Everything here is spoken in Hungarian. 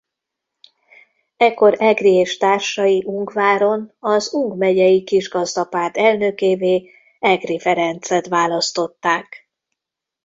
Ekkor Egry és társai Ungváron az Ung Megyei Kisgazdapárt elnökévé Egry Ferencet választották.